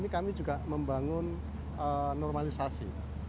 kami juga membangun normalisasi